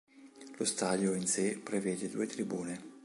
Lo stadio in sé prevede due tribune.